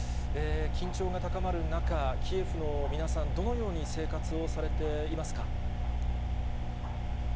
緊張が高まる中、キエフの皆さん、どのように生活をされていますか。